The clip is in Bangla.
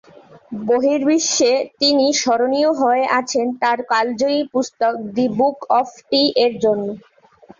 বহির্বিশ্বে তিনি স্মরণীয় হয়ে আছেন তার কালজয়ী পুস্তক দি বুক অফ টি-এর জন্য।